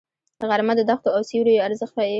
غرمه د دښتو او سیوریو ارزښت ښيي